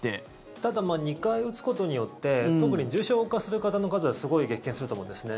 ただ２回打つことによって特に重症化する方の数がすごい激減すると思うんですね。